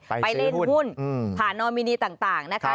ไปเล่นหุ้นผ่านนอมินีต่างนะคะ